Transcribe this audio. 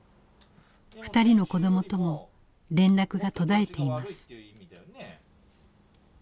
２人の子どもとも連絡が途絶えています。